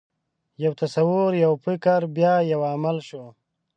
یو تصور، یو فکر، بیا یو عمل شو.